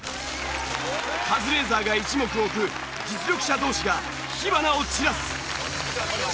カズレーザーが一目置く実力者同士が火花を散らす。